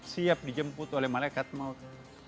siap dijemput oleh malaikat maut